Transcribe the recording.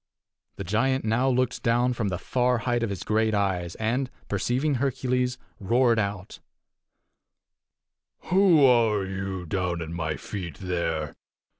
The giant now looked down from the far height of his great eyes, and, perceiving Hercules, roared out: "Who are you, down at my feet, there?